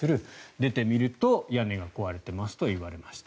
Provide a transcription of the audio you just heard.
出てみると屋根が壊れていますと言われました。